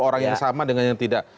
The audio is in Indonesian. orang yang sama dengan yang tidak